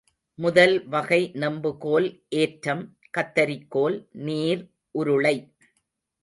முதல் வகை நெம்புகோல் ஏற்றம், கத்தரிக்கோல், நீர் உருளை.